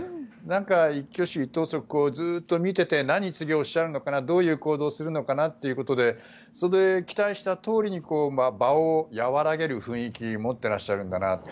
一挙手一投足を見ていて何、次おっしゃるのかなどういう行動をするのかなってそれで期待したとおりに場を和らげる雰囲気を持っていらっしゃるんだなと。